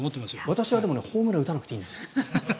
私はでもホームランを打たなくていいんですよ。